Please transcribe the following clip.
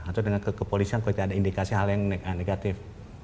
atau dengan kepolisian kalau tidak ada indikasi hal yang negatif